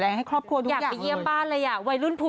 มันอยู่ใกล้กับหาดส่วนเชียดผ่านกันแค่๗๐๐เมตร